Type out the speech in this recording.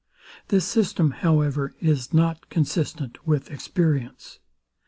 This system, however, is nor consistent with experience.